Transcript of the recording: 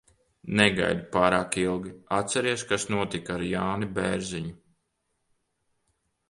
Negaidi pārāk ilgi. Atceries, kas notika ar Jāni Bērziņu?